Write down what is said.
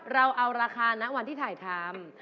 เราเอาราคานะวันที่ถ่ายทำ